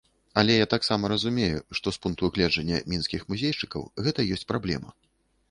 Але я таксама разумею, што з пункту гледжання мінскіх музейшчыкаў гэта ёсць праблема.